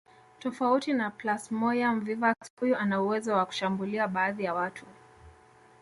Tofauti na Plasmoium vivax huyu ana uwezo wa kushambulia baadhi ya watu